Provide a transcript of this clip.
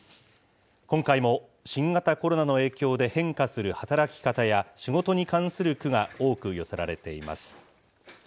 今回も新型コロナの影響で変化する働き方や、仕事に関する句が多く寄せられています。